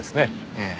ええ。